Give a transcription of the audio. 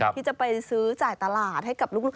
ที่จะไปซื้อจ่ายตลาดให้กับลูก